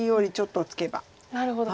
なるほど。